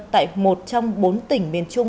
tại một trong bốn tỉnh miền trung